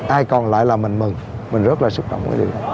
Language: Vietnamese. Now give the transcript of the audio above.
ai còn lại là mình mừng mình rất là xúc động cái điều đó